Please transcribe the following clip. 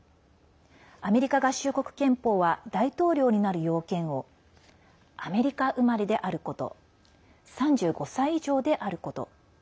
アメリカ合衆国憲法は大統領になる要件をアメリカ生まれであること３５歳以上であること